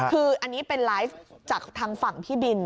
คืออันนี้เป็นไลฟ์จากทางฝั่งพี่บิน